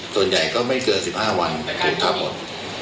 ส่วนใหญ่ก็ไม่เกิน๑๕วันคือทั้งหมด